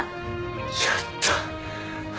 やった！